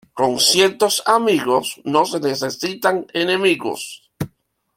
Con ciertos amigos, no se necesitan enemigos.